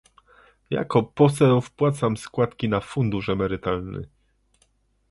Jako poseł wpłacam składki na fundusz emerytalny